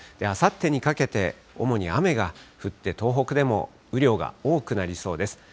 あさってにかけて、主に雨が降って東北でも雨量が多くなりそうです。